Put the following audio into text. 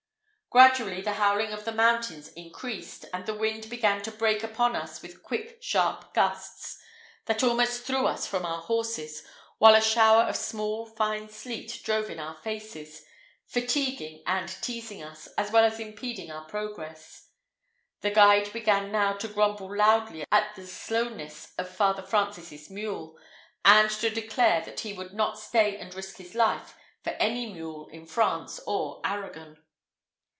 Gradually the howling of the mountains increased, and the wind began to break upon us with quick sharp gusts, that almost threw us from our horses, while a shower of small, fine sleet drove in our faces, fatiguing and teasing us, as well as impeding our progress. The guide began now to grumble loudly at the slowness of Father Francis's mule, and to declare that he would not stay and risk his life for any mule in France or Arragon.